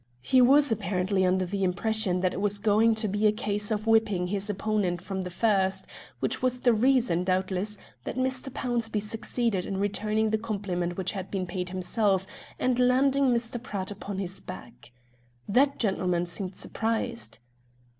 He was apparently under the impression that it was going to be a case of whipping his opponent from the first; which was the reason, doubtless, that Mr. Pownceby succeeded in returning the compliment which had been paid himself, and landing Mr. Pratt upon his back. That gentleman seemed surprised.